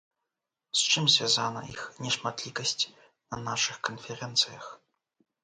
З чым звязана іх нешматлікасць на нашых канферэнцыях?